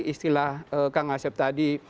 istilah kang asep tadi